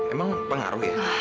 emang pengaruh ya